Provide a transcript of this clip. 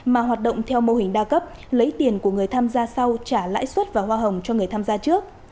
mà hoạt động theo mô hình đa cấp lấy tiền của người tham gia sau trả lãi suất và hoa hồng cho người tham gia trước